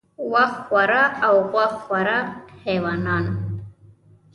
وښ خوره او غوښ خوره حیوانان